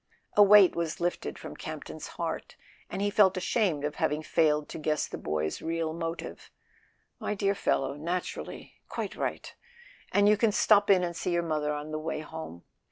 " A weight was lifted from Campton's heart, and he felt ashamed of having failed to guess the boy's real motive. "My dear fellow, naturally ... quite right. And you can stop in and see your mother on the way home.